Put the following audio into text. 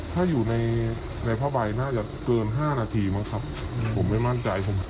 ถ้าอยู่ในผ้าใบน่าจะเกิน๕นาทีมั้งครับผมไม่มั่นใจผม